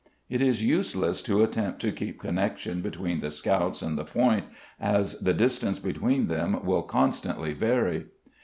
It is useless to attempt to keep connection between the scouts and the point, as the distance between them will constantly vary.